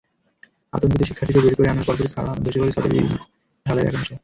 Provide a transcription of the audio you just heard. আতঙ্কিত শিক্ষার্থীদের বের করে আনার পরপরই ধসে পড়ে ছাদের বিমের ঢালাইয়ের একাংশ।